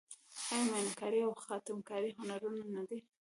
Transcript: آیا میناکاري او خاتم کاري هنرونه نه دي؟